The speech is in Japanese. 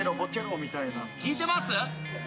聞いてます？